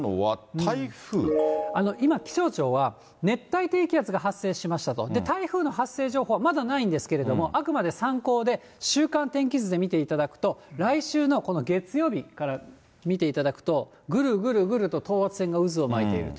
今、気象庁は、熱帯低気圧が発生しましたと、台風の発生情報はまだないんですけれども、あくまで参考で週間天気図で見ていただくと、来週のこの月曜日から見ていただくと、ぐるぐるぐると等圧線が渦を巻いていると。